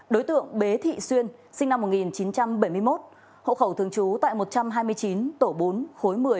đối tượng bế thị xuyên sinh năm một nghìn chín trăm bảy mươi một hộ khẩu thường trú tại một trăm hai mươi chín tổ bốn khối một mươi